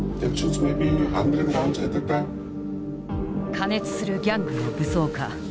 過熱するギャングの武装化。